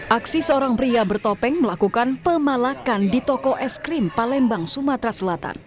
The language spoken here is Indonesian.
aksi seorang pria bertopeng melakukan pemalakan di toko es krim palembang sumatera selatan